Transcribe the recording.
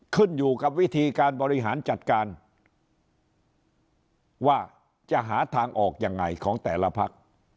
ขึ้นอยู่กับวิธีการบริหารจัดการว่าจะหาทางออกยังไงของแต่ละพัก